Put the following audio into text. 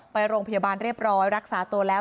ไปโรงพยาบาลเรียบร้อยรักษาตัวแล้ว